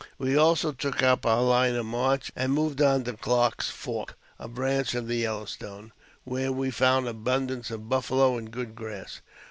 We also took up our line of march, and moved on to Clarke's Fork, a branch of the Yellow Stone, where we found abundance of buffalo and good grass.